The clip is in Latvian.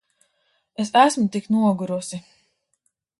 Es esmu tik nogurusi.